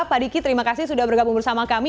pak diki terima kasih sudah bergabung bersama kami